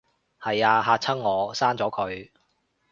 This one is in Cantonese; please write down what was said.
係吖，嚇親我，刪咗佢